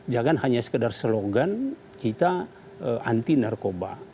jangan hanya sekedar slogan kita anti narkoba